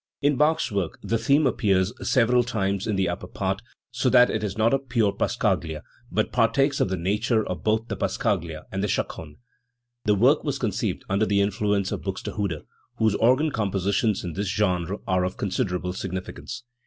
In Bach's work the theme appears several times in the upper part, so that it is not a pure passacaglia, but partakes of the nature of both the passa caglia and .the chaconne. The work was conceived under the influence of Buxte hude, whose organ compositions in this genre are of con siderable significance.